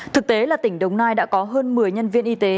thực tế là tỉnh đồng nai đã có hơn một mươi nhân viên y tế